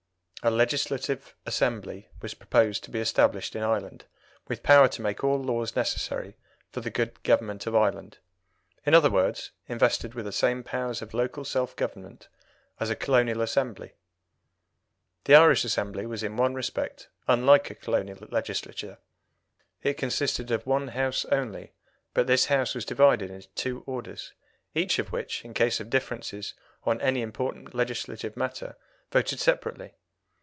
A Legislative Assembly was proposed to be established in Ireland with power to make all laws necessary for the good government of Ireland in other words, invested with the same powers of local self government as a colonial Assembly. The Irish Assembly was in one respect unlike a colonial Legislature. It consisted of one House only, but this House was divided into two orders, each of which, in case of differences on any important legislative matter, voted separately.